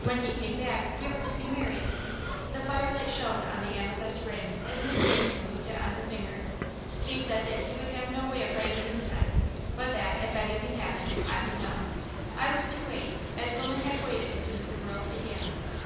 "When he came back, we were to be married." The firelight shone on the amethyst ring as Miss Ainslie moved it on her finger. "He said that he would have no way of writing this time, but that, if anything happened, I would know. I was to wait as women have waited since the world began.